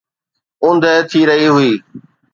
اوندهه ٿي رهي هئي.